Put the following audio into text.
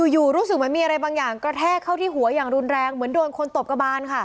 อยู่รู้สึกเหมือนมีอะไรบางอย่างกระแทกเข้าที่หัวอย่างรุนแรงเหมือนโดนคนตบกระบานค่ะ